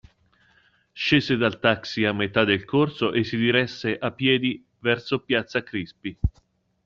Scese dal taxi a metà del corso e si diresse a piedi verso piazza Crispi.